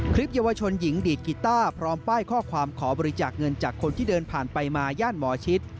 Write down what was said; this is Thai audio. เยาวชนหญิงดีดกีต้าพร้อมป้ายข้อความขอบริจาคเงินจากคนที่เดินผ่านไปมาย่านหมอชิด